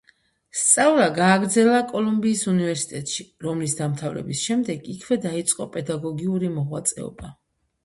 სწავლა გააგრძელა კოლუმბიის უნივერსიტეტში, რომლის დამთავრების შემდეგ იქვე დაიწყო პედაგოგიური მოღვაწეობა.